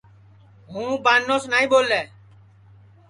ہُوں بانوس نائیں ٻولے